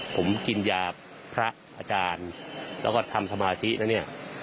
ผมกินยาพระอาจารย์แล้วก็ทำสมาธิแล้วเนี่ย